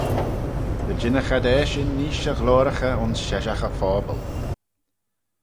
Dy jinnagh ad eshyn neesht y ghloyraghey ayns sheshaght y phobble.